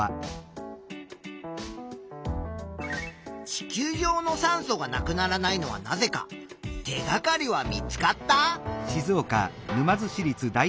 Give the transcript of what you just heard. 地球上の酸素がなくならないのはなぜか手がかりは見つかった？